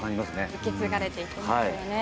受け継がれていっていますね。